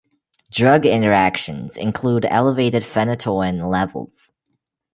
Drug interactions include elevated phenytoin levels.